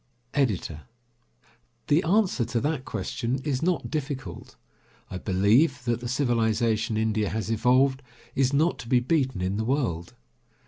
EDITOR: The answer to that question is not difficult. I believe that the civilization India has evolved is not to be beaten in the world.